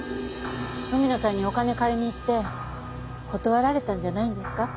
海野さんにお金借りにいって断られたんじゃないんですか？